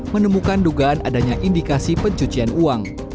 menemukan dugaan adanya indikasi pencucian uang